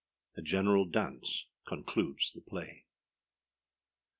_A general dance concludes the play.